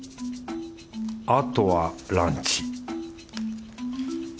あとはランチ